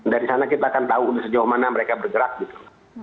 dari sana kita akan tahu sejauh mana mereka bergerak gitu